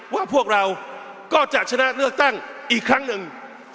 พวกเราก็จะชนะเลือกตั้งอีกครั้งหนึ่ง